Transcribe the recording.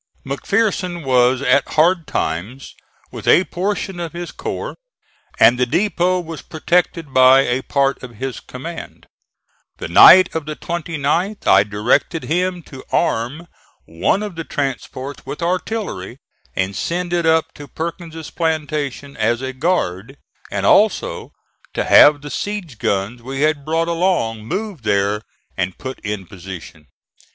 McPherson was at Hard Times with a portion of his corps, and the depot was protected by a part of his command. The night of the 29th I directed him to arm one of the transports with artillery and send it up to Perkins' plantation as a guard; and also to have the siege guns we had brought along moved there and put in position.